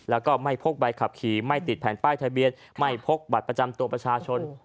แล้วก็ไม่พกใบขับขี่ไม่ติดแผ่นป้ายทะเบียนไม่พกบัตรประจำตัวประชาชน